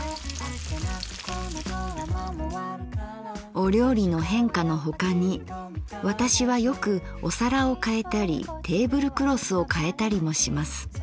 「お料理の変化のほかに私はよくお皿を変えたりテーブルクロスを変えたりもします。